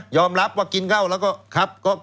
ยอมรับว่ากินเหล้าและก็